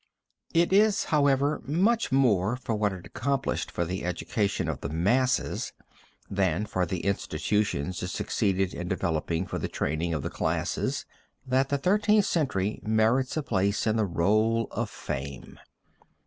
It is, however, much more for what it accomplished for the education of the masses than for the institutions it succeeded in developing for the training of the classes, that the Thirteenth Century merits a place in the roll of fame.